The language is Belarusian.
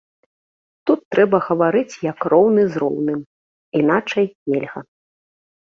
Тут трэба гаварыць як роўны з роўным, іначай нельга.